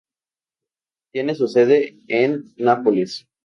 Tiene su sede en Nápoles.